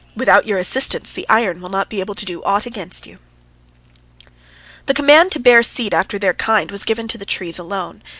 Without your assistance the iron will not be able to do aught against you." The command to bear seed after their kind was given to the trees alone.